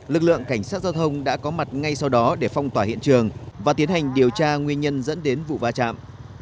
lực lượng cảnh sát giao thông đã có mặt ngay sau đó để phong tỏa hiện trường và tiến hành điều tra nguyên nhân dẫn đến vụ va chạm